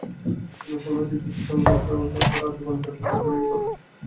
তিনি উপন্যাস, ইতিহাস, জনতত্ত্ব এসব ধারায় আজীবন ব্যাপক লেখালেখি করেন।